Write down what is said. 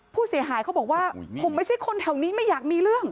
ผู้เสียหายเขาบอกว่าผมไม่ใช่คนแถวนี้ไม่อยากมีเรื่อง